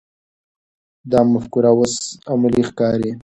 دا مفکوره اوس عملي ښکاري.